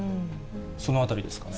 そのあたりですかね？